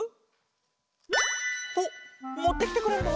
おっもってきてくれるの？